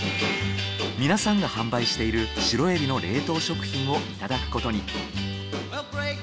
皆さんが販売しているシロエビの冷凍食品をいただくことに。